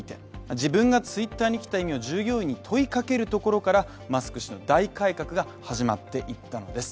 自分がＴｗｉｔｔｅｒに来た意味を従業員に問いかけるところからマスク氏の大改革が始まっていったのです。